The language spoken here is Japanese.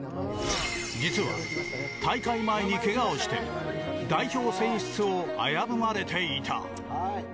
実は大会前にけがをして代表選出を危ぶまれていた。